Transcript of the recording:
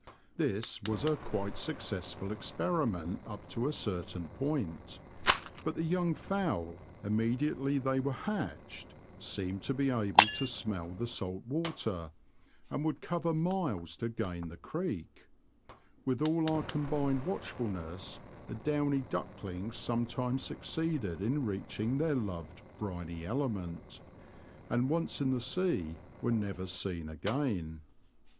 This 38 The Confessions of a T^oacher. was a quite successful experiment up to a certain point ; but the young fowl, immediately they were hatched, seemed to be able to smell the salt water, and would cover miles to gain the creek. With all our combined watch fulness the downy ducklings sometimes suc seeded in reaching their loved briny element, and once in the sea were never seen again.